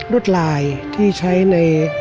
รวดลายที่ใช้ใน